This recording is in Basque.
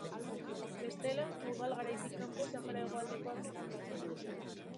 Bestela, ugal garaitik kanpo Sahara hegoaldeko Afrikan bizi da.